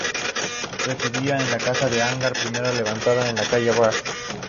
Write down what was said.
Residía en la Casa de Agar, primera levantada en la calle Real.